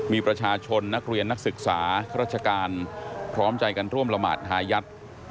มีประชาชนนักเรียนนักศึกษาราชการพร้อมใจกันร่วมละหมาดหายัด